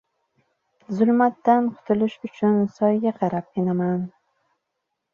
Zulmatdan qutulish uchun soyga qarab enaman.